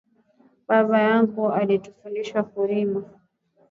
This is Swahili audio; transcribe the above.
Baba yangu ari tufundisha kurima